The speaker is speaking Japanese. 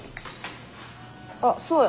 あっそうや。